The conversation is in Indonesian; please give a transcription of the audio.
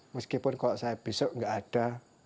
meskipun kalau saya besok nggak ada